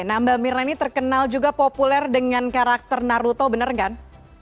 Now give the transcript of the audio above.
nah mbak mirna ini terkenal juga populer dengan karakter naruto benar kan